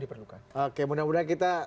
diperlukan oke mudah mudahan kita